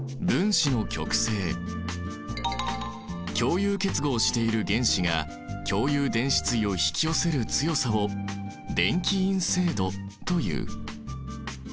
共有結合している原子が共有電子対を引き寄せる強さを電気陰性度という。